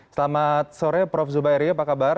selamat sore prof zubairi apa kabar